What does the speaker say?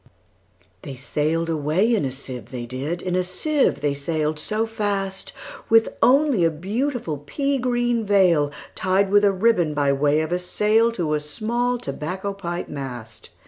They sail'd away in a sieve, they did, In a sieve they sail'd so fast, With only a beautiful pea green veilTied with a ribbon, by way of a sail, To a small tobacco pipe mast.